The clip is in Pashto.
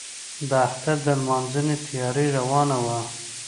د اختر د لمانځنې تیاري روانه وه.